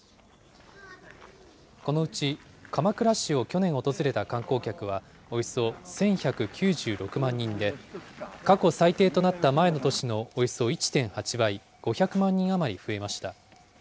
このうち、鎌倉市を去年訪れた観光客はおよそ１１９６万人で、過去最低となった前の年のおよそ１．８倍、５００万人余り増えました。